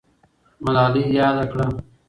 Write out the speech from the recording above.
ملالۍ یاده کړه.